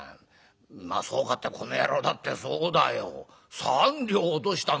まあそうかってこの野郎だってそうだよ三両落としたんだからね